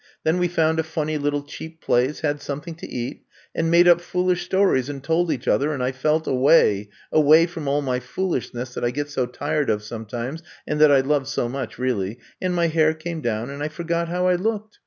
Then we found a funny little cheap place, had something to eat, and made up foolish stories and told each other, and I felt away — away from all my foolishness that I get so tired of sometimes and that I love so much, really — and my hair came down and I forgot how I looked.